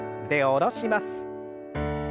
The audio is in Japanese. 腕を下ろします。